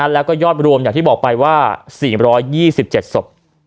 แล้วก็ยอดรวมอย่างที่บอกไปว่า๔๒๗ศพ